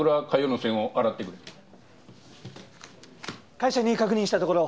会社に確認したところ